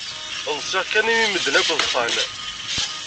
Ḍsiɣ kan imi medden akk ḍsan.